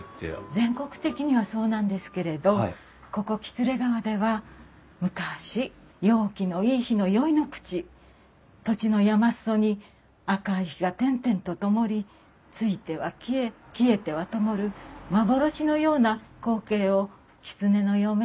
全国的にはそうなんですけれどここ喜連川では昔陽気のいい日の宵の口土地の山裾に赤い火が点々とともりついては消え消えてはともる幻のような光景を「きつねの嫁入り」といったそうです。